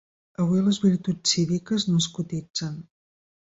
Avui les virtuts cíviques no es cotitzen.